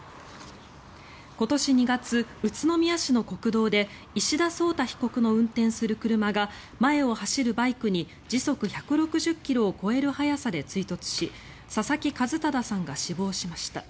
今年２月、宇都宮市の国道で石田颯汰被告の運転する車が前を走るバイクに時速１６０ｋｍを超える速さで追突し佐々木一匡さんが死亡しました。